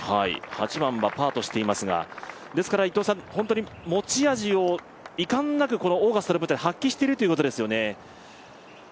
８番はパーとしていますが本当に持ち味を遺憾なく、このオーガスタの舞台で発揮しているということですよね。